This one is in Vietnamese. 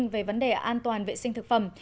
về vấn đề an toàn vệ sinh thực phẩm